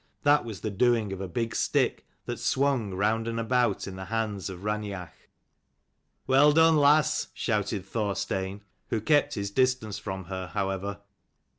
That was the doing of a big stick that swung round and about in the hands of Raineach. " Well done, lass," shouted Thorstein, who kept his distance from her, however.